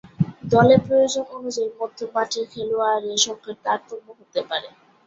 দলে প্রয়োজন অনুযায়ী মধ্যমাঠের খেলোয়াড়ের সংখ্যার তারতম্য হতে পারে।